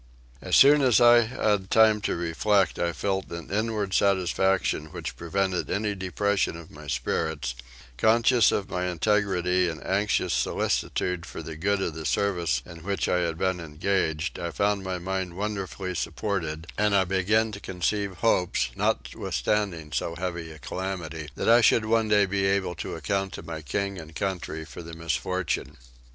As soon as I had time to reflect I felt an inward satisfaction which prevented any depression of my spirits: conscious of my integrity and anxious solicitude for the good of the service in which I had been engaged I found my mind wonderfully supported, and I began to conceive hopes, notwithstanding so heavy a calamity, that I should one day be able to account to my King and country for the misfortune.